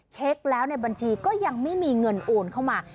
เช็คแล้วในบัญชีก็ยังไม่มีเงินโอนเข้ามา